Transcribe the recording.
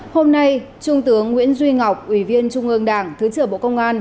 hôm nay trung tướng nguyễn duy ngọc ủy viên trung ương đảng thứ trưởng bộ công an